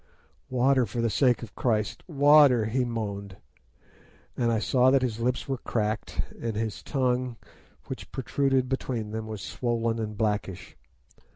"'Water! for the sake of Christ, water!' he moaned and I saw that his lips were cracked, and his tongue, which protruded between them, was swollen and blackish.